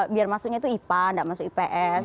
biar masuknya itu ipa tidak masuk ips